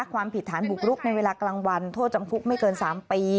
ความผิดฐานบุกรุกในเวลากลางวันโทษจำคุกไม่เกิน๓ปี